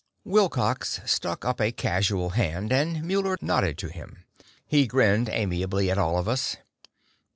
Wilcox stuck up a casual hand, and Muller nodded to him. He grinned amiably at all of us.